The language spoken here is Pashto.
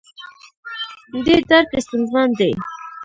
دې درک ستونزمن دی.